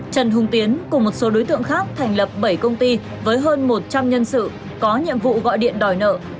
trần hùng tiến cùng một số đối tượng khác thành lập bảy công ty với hơn một trăm linh nhân sự có nhiệm vụ gọi điện đòi nợ